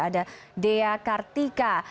ada dea kartika